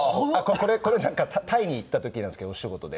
これなんかタイに行った時なんですけどお仕事で。